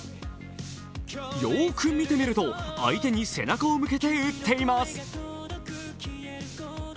よく見てみると相手に背中を向けて打っています。